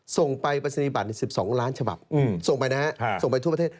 ส่งไปปริศนีบัตร๑๒ล้านฉบับส่งไปนะฮะส่งไปทั่วประเทศ